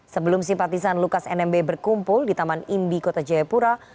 sebelum simpatisan lukas nmb berkumpul di taman imbi kota jayapura